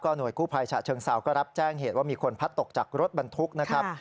หน่วยกู้ภัยฉะเชิงเซาก็รับแจ้งเหตุว่ามีคนพัดตกจากรถบรรทุกนะครับ